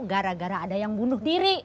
gara gara ada yang bunuh diri